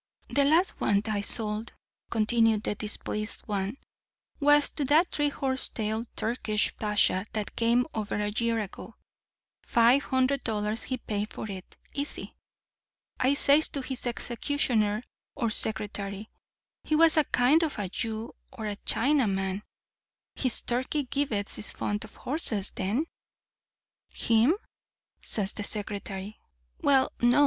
"The last one I sold," continued the displeased one, "was to that three horse tailed Turkish pasha that came over a year ago. Five hundred dollars he paid for it, easy. I says to his executioner or secretary—he was a kind of a Jew or a Chinaman—'His Turkey Gibbets is fond of horses, then?' "'Him?' says the secretary. 'Well, no.